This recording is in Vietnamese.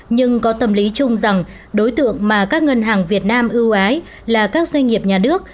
nhưng có tâm lý chung rằng đối tượng mà các ngân hàng việt nam ưu ái là các doanh nghiệp nhà nước